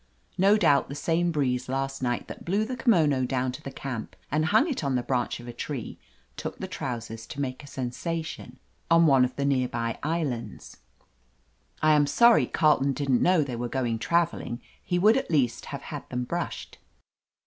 No doubt the same breeze last night that blew the kimono down to the camp and hung it on the branch of a tree took the trous ers to make a sensation on one of the nearby 289 THE AMAZING ADVENTURES islands. I am sorry Carleton didn't know they were going traveling, he would at least have had them brushed."